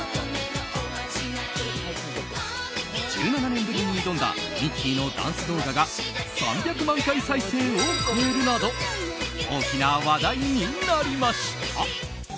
１７年ぶりに挑んだ「Ｍｉｃｋｅｙ」のダンス動画が３００万回再生を超えるなど大きな話題になりました。